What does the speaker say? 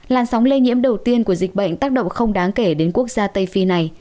làn sóng lây nhiễm đầu tiên của dịch bệnh tác động không đáng kể đến quốc gia tây phi này